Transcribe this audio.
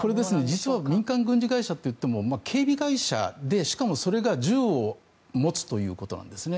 実は民間軍事会社といっても警備会社でしかもそれが銃を持つということなんですね。